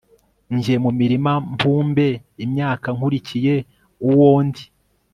njye mu mirima mpumbe imyaka nkurikiye uwo ndi